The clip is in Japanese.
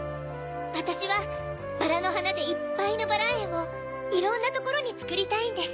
わたしはバラのはなでいっぱいのバラえんをいろんなところにつくりたいんです。